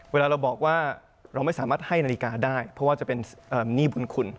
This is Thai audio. เวลาเราบอกว่าเราไม่สามารถให้นาฬิกาได้เพราะว่าจะเป็นหนี้บุญคุณ